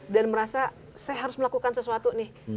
dan merasa saya harus melakukan sesuatu nih